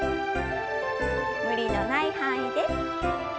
無理のない範囲で。